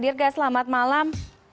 dirga selamat malam